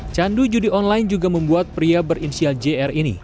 candu judi online juga membuat pria berinisial jr ini